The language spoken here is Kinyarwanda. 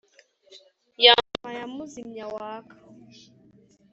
ya ngoma ya muzimya-waka,